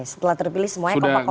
setelah terpilih semuanya kompak kompak